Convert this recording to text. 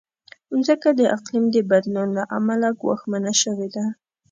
مځکه د اقلیم د بدلون له امله ګواښمنه شوې ده.